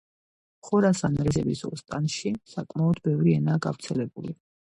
ხორასან-რეზავის ოსტანში საკმაოდ ბევრი ენაა გავრცელებული.